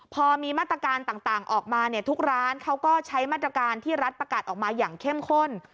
พอมีมาตรการต่างออกมาเนี่ยทุกร้านเขาก็ใช้มาตรการที่รัฐประกาศออกมาอย่างเข้มข้น